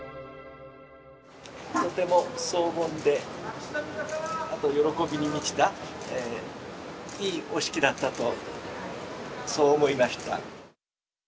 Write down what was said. とても荘厳で、あと、喜びに満ちた、いいお式だったと、そう思いました。